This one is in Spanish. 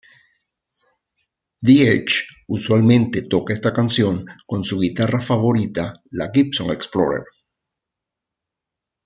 The Edge usualmente toca esta canción con su guitarra favorita, la Gibson Explorer.